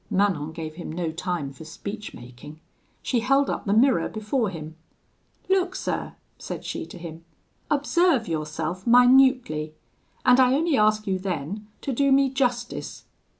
Manon gave him no time for speech making; she held up the mirror before him: 'Look, sir,' said she to him, 'observe yourself minutely, and I only ask you then to do me justice.